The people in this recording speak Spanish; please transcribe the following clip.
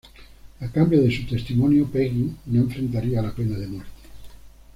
A cambio de su testimonio, Peggy no enfrentaría la pena de muerte.